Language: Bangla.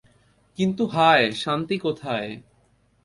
কিন্তু হায়, শান্তি কোথায়।